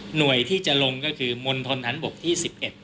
หน่วยที่จะลงก็คือมณฑนฐานบกที่๑๑